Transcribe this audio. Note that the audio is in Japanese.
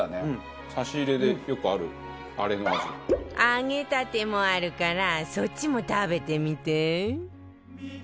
揚げたてもあるからそっちも食べてみて